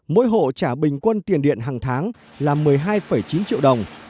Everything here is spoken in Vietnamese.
mỗi hộ trả bình quân tiền điện hàng tháng là một mươi hai chín triệu đồng